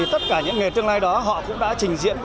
tất cả những nghề tương lai đó họ cũng đã trình diễn